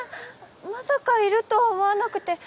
まさかいると思わなくて。